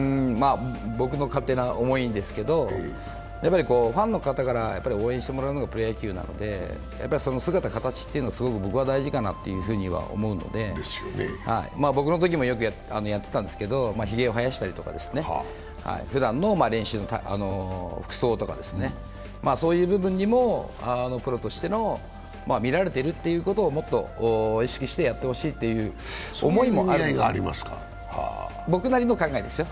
僕の勝手な思いなんですけどファンの方から応援してもらうのがプロ野球なので、やっぱりその姿形っていうのはすごく大事だと思うので、僕のときもよくやっていたんですけどひげを生やしたりふだんの練習の服装とか、そういう部分にもプロとしての、見られてるということをもっと意識してやってほしいという思いもある僕なりの考えですよ。